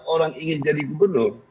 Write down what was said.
orang ingin jadi gubernur